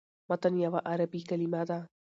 متن یوه عربي کلمه ده.